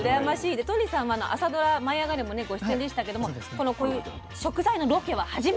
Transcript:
で都仁さんは朝ドラ「舞いあがれ！」もねご出演でしたけどもこういう食材のロケは初めてだったということなんです。